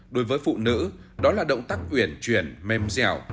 đối với phụ nữ đó là động tác uyển chuyển mềm dẻo